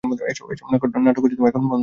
এসব নাটক এখন বন্ধ কর।